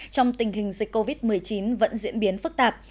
trong tình hình dịch covid một mươi chín vẫn diễn biến phức tạp